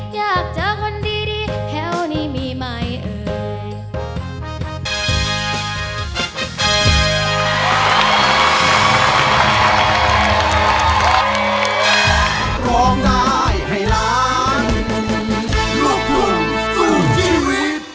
อยากเจอคนดีแถวนี้มีไหมเอ่ย